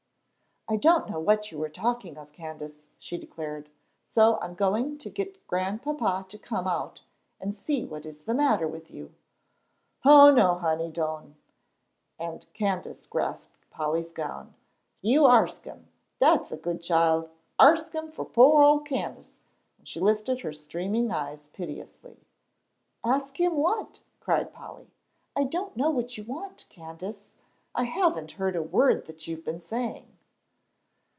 "I don't know what you are talking of, Candace," she declared, "so I'm going to get Grandpapa to come out and see what is the matter with you." "Oh, no, honey, don'!" and Candace grasped Polly's gown. "You arsk him, dat's a good chile. Arsk him for pore ol' Candace," and she lifted her streaming eyes piteously. "Ask him what?" cried Polly. "I don't know what you want, Candace. I haven't heard a word that you've been saying."